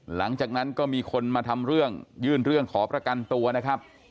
หลังจากนั้นก็มีคนมาทำเรื่องยื่นเรื่องขอประกันตัวนะครับ